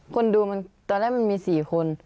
คนดูมันตอนแรกมันมี๔คน